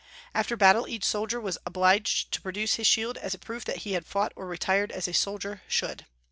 After battle, each soldier was obliged to produce his shield as a proof that he had fought or retired as a soldier should.